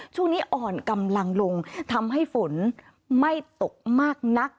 ช่วงนี้อ่อนกำลังลงทำให้ฝนไม่ตกมากนัก